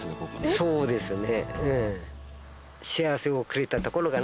そうですね。